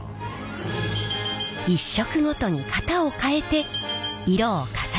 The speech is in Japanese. １色ごとに型を変えて色を重ねていきます。